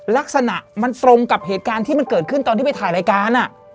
ลักษณะมันตรงกับเหตุการณ์ที่มันเกิดขึ้นตอนที่ไปถ่ายรายการ